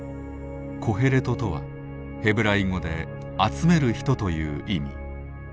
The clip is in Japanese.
「コヘレト」とはヘブライ語で「集める人」という意味。